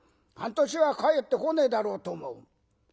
半年は帰ってこねえだろうと思う。